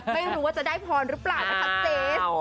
ไม่รู้ว่าจะได้พรหรือเปล่านะคะเจส